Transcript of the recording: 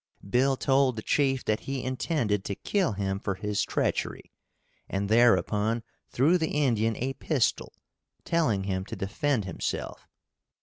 Bill told the chief that he intended to kill him for his treachery, and thereupon threw the Indian a pistol, telling him to defend himself.